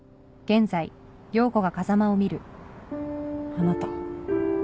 あなた。